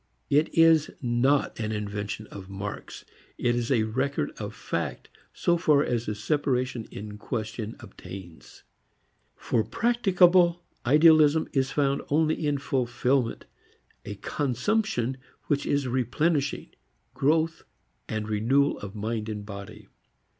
It is not an invention of Marx; it is a record of fact so far as the separation in question obtains. For practicable idealism is found only in a fulfilment, a consumption which is a replenishing, growth, renewal of mind and body.